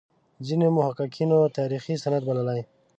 ځینو محققینو تاریخي سند بللی.